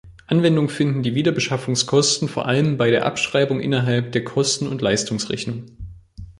Anwendung finden die Wiederbeschaffungskosten vor allem bei der Abschreibung innerhalb der Kosten- und Leistungsrechnung.